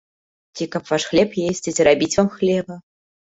Ці каб ваш хлеб есці, ці рабіць вам хлеба?